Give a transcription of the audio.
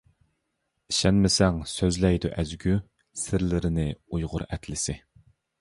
ئىشەنمىسەڭ سۆزلەيدۇ ئەزگۈ سىرلىرىنى ئۇيغۇر ئەتلىسى.